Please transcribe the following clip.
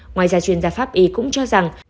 ngoài ra chuyên gia pháp ý cũng cho rằng